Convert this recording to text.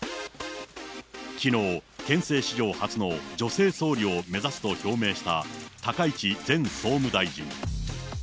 きのう、憲政史上初の女性総理を目指すと表明した高市前総務大臣。